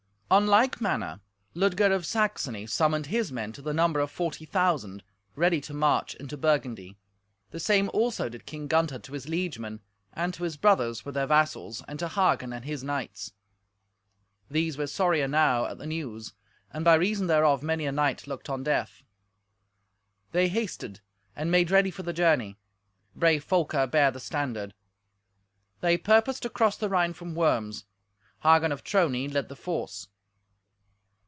On like manner Ludger of Saxony summoned his men to the number of forty thousand, ready to march into Burgundy. The same also did King Gunther to his liegemen, and to his brothers with their vassals, and to Hagen and his knights. These were sorry enow at the news; and by reason thereof many a knight looked on death. They hasted and made ready for the journey. Brave Folker bare the standard. They purposed to cross the Rhine from Worms. Hagen of Trony led the force.